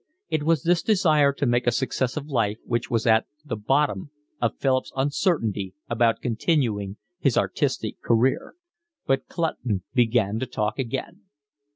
It was this desire to make a success of life which was at the bottom of Philip's uncertainty about continuing his artistic career. But Clutton began to talk again.